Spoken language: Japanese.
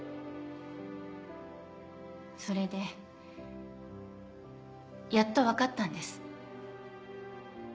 それでやっと分かったんです。